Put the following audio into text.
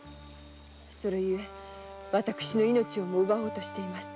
それゆえ私の命をも奪おうとしています。